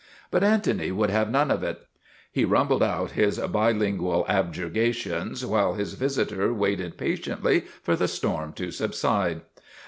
But Antony would have none of it. He rumbled out his bilingual objurgations while his visitor waited patiently for the storm to subside.